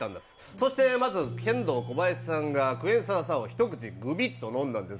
そして、まずケンドーコバヤシさんがクエン酸サワーをぐびっと一口飲んだんです。